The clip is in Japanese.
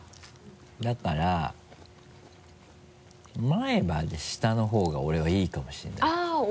だから前歯で下の方が俺はいいかもしれない。